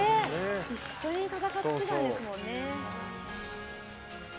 一緒に戦ってたんですもんね。